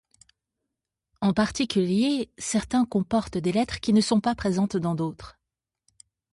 En particulier, certains comportent des lettres qui ne sont pas présentes dans d'autres.